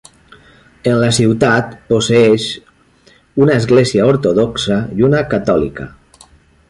En el la ciutat posseïx una església ortodoxa i una catòlica.